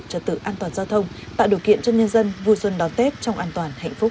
trật tự an toàn giao thông tạo điều kiện cho nhân dân vui xuân đón tết trong an toàn hạnh phúc